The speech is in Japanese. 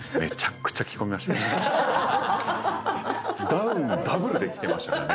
ダウンをダブルで着てましたからね、